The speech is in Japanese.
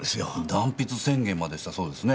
断筆宣言までしたそうですね。